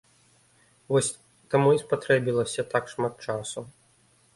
Вось, таму і спатрэбілася так шмат часу.